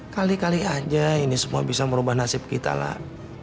kali kali aja ini semua bisa merubah nasib kita lah